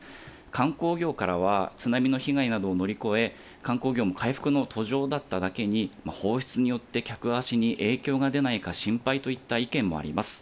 観光業からは、津波の被害などを乗り越え、観光業も回復の途上だっただけに、放出によって客足に影響が出ないか心配といった意見もあります。